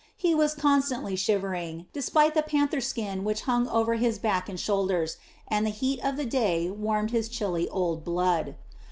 He was constantly shivering, despite the panther skin which hung over his back and shoulders, and the heat of the day warmed his chilly old blood.